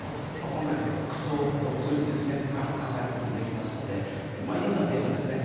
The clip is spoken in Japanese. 今回で言えば国葬などを通じてですね深く考えることもできますのでいろんなテーマですね